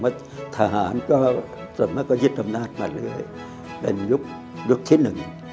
ทหารก็ส่วนมากก็ยึดอำนาจมาเลยเป็นยุคยุคที่หนึ่ง